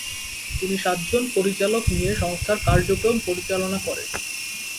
তিনি সাতজন পরিচালক নিয়ে সংস্থার কার্যক্রম পরিচালনা করেন।